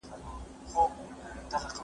مرغۍ د خپلې تندې په بدل کې سترګه بایلوده.